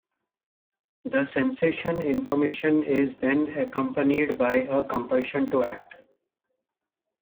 The sensation information is then accompanied by a compulsion to act.